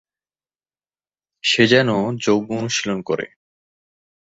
সে Zen যোগ অনুশীলন করে।